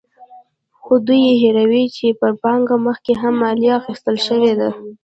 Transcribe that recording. خو دوی هېروي چې پر پانګه مخکې هم مالیه اخیستل شوې ده.